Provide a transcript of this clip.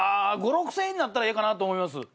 あ５，０００６，０００円になったらええかなと思います。